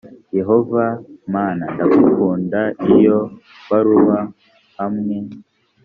yehova mana ndagukunda iyo baruwa hamwe